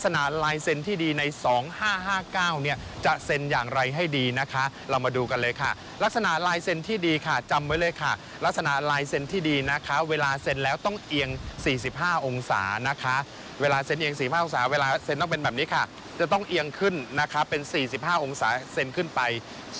นี่ใช้ลงเป็น๔๕องศาเซ็นช์ขึ้นไป